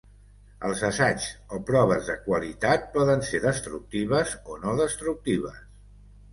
Els assaigs o proves de qualitat poden ser destructives o no destructives.